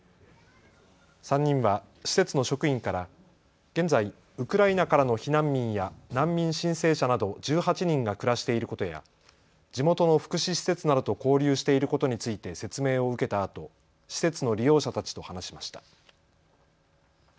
３人は施設の職員から現在、ウクライナからの避難民や難民申請者など１８人が暮らしていることや地元の福祉施設などと交流していることについて説明を受けたあと施設の利用者たちと話しました。